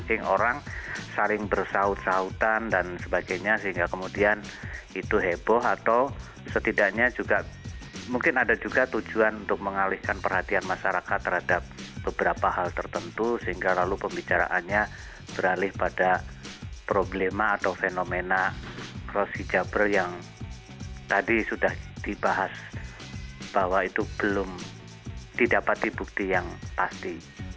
mungkin orang saling bersaut sautan dan sebagainya sehingga kemudian itu heboh atau setidaknya juga mungkin ada juga tujuan untuk mengalihkan perhatian masyarakat terhadap beberapa hal tertentu sehingga lalu pembicaraannya beralih pada problema atau fenomena cross gijabber yang tadi sudah dibahas bahwa itu belum didapati bukti yang pasti